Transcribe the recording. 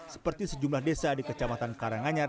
seperti sejumlah desa di kecamatan karanganyar